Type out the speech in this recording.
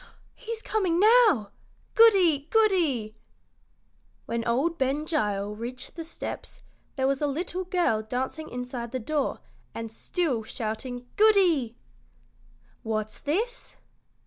"He's coming now! Goody! Goody!" When old Ben Gile reached the steps there was a little girl dancing inside the door and still shouting "Goody!" "What's this?"